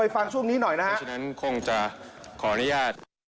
เดี๋ยวคุณผู้ชมเราไปฟังช่วงนี้หน่อยนะฮะ